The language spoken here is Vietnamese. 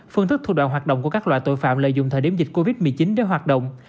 phương thức thủ đoạn hoạt động của các loại tội phạm lợi dụng thời điểm dịch covid một mươi chín để hoạt động